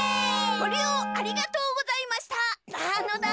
ごりようありがとうございましたなのだ。